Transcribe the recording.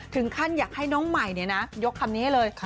ถึงขั้นอยากให้น้องใหม่ยกคำนี้ให้เลย